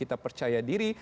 tidak percaya diri